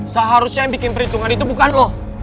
seharusnya yang bikin perhitungan itu bukan loh